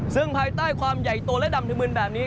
ซึ่งภายใต้ความใหญ่โตและดำธมึนแบบนี้